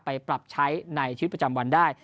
ไปปรับใช้ในชีวิตประจำวันได้